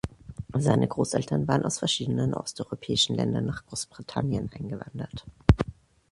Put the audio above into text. Seine Großeltern waren aus verschiedenen osteuropäischen Ländern nach Großbritannien eingewandert.